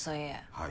はい。